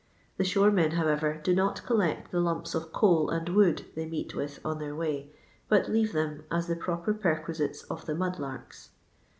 The shore men, however, do not collect the lumps of coal and wood they meet with on their way, but leave them as the proper perquisites of the mud krks.